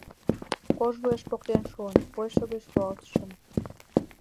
Кож вуеш поктен шуын, почшо гыч руалтышым.